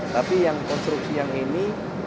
tapi yang konstruksi yang ini